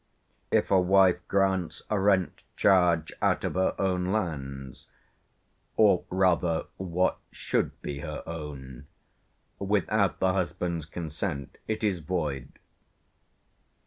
If a wife grants a rent charge out of her own lands (or, rather, what should be her own) without the husband's consent, it is void.